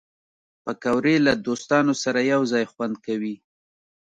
پکورې له دوستانو سره یو ځای خوند کوي